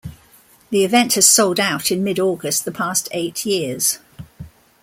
The event has sold-out in mid-August the past eight years.